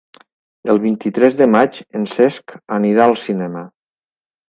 El vint-i-tres de maig en Cesc anirà al cinema.